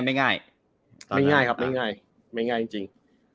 ไม่ง่ายครับไม่ง่ายจริง